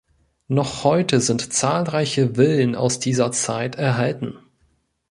Noch heute sind zahlreiche Villen aus dieser Zeit erhalten.